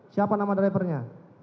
siapa nama drivernya